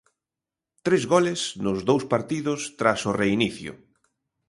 Tres goles nos dous partidos tras o reinicio.